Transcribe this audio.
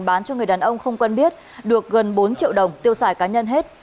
bán cho người đàn ông không quen biết được gần bốn triệu đồng tiêu xài cá nhân hết